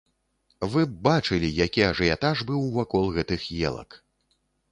Вы б бачылі, які ажыятаж быў вакол гэтых елак!